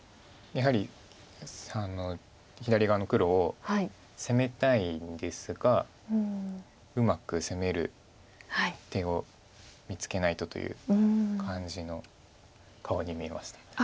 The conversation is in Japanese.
やはり左側の黒を攻めたいんですがうまく攻める手を見つけないとという感じの顔に見えました。